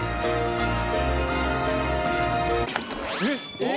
えっ！